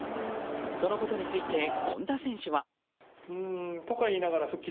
そのことについて権田選手は。